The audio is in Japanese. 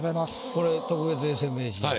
これ特別永世名人は？